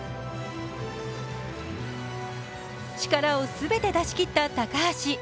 力を全て出しきった高橋。